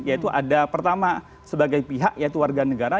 yaitu ada pertama sebagai pihak yaitu warga negara